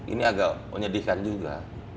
ini agak menyedihkan juga